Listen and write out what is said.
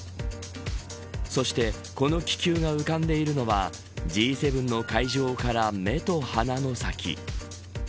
そしてこの気球が浮かんでいるのはＧ７の会場から目と鼻の先。